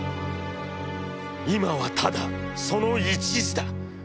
いまはただその一事だ。